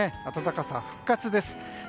暖かさ復活です。